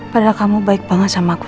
padahal kamu baik banget sama aku